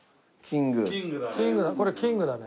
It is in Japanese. これキングだね。